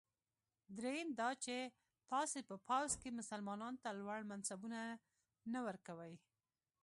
دریم دا چې تاسي په پوځ کې مسلمانانو ته لوړ منصبونه نه ورکوی.